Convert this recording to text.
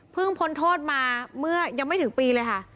พ้นโทษมาเมื่อยังไม่ถึงปีเลยค่ะ